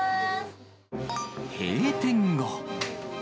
閉店後。